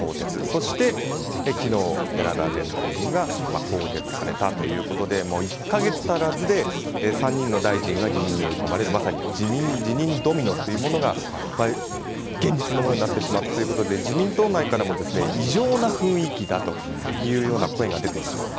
そして昨日、寺田前大臣が更迭されたということで１か月足らずで３人の大臣が辞任に追い込まれるまさに辞任ドミノが現実のものになってしまったということで自民党内からも異常な雰囲気だという声が出ています。